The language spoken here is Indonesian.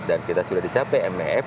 dan kita sudah dicapai mef